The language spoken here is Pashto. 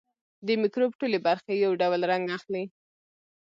د مکروب ټولې برخې یو ډول رنګ اخلي.